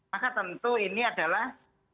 maka tentu ini adalah